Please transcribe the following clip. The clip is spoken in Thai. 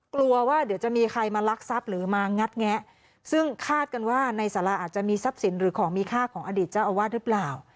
กลัวว่าเดี๋ยวจะมีใครมาลักทรัพย์หรือมางัดแงะซึ่งคาดกันว่าในสาราอาจจะมีทรัพย์สินหรือของมีค่าของอดีตเจ้าอาวาสหรือเปล่า